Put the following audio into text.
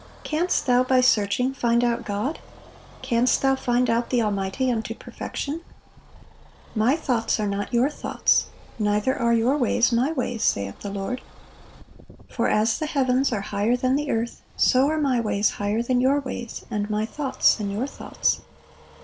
"Canst thou by searching find out God? canst thou find out the Almighty unto perfection?" "My thoughts are not your thoughts, neither are your ways My ways, saith the Lord. For as the heavens are higher than the earth, so are My ways higher than your ways, and My thoughts than your thoughts."